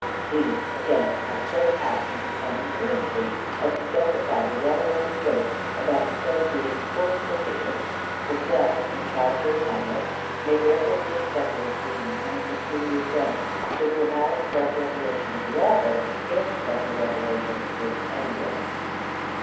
These, again, have so passed into common currency as to justify the well worn joke about the play being " full of quotations." The play and the character of " Hamlet " may therefore be accepted as being in a peculiar sense the dramatic self revelation of the author, if such a revelation exists anywhere.